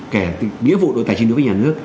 kể từ nghĩa vụ đối tài chính đối với nhà nước